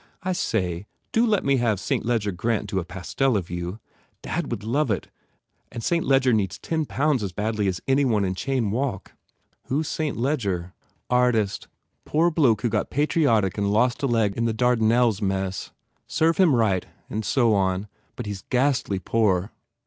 I say, do let me have St. Ledger Grant do a pastel of you. Dad would love it and St. Ledger needs ten pounds as badly as any one in Cheyne Walk." "Who s Sillijer?" 125 THE FAIR REWARDS "Artist. Poor bloke who got patriotic and lost a leg in the Dardanelles mess. Serve him right and so on but he s ghastly poor."